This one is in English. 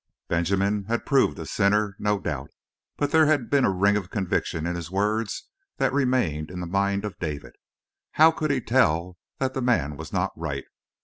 Benjamin had proved a sinner, no doubt, but there had been a ring of conviction in his words that remained in the mind of David. How could he tell that the man was not right?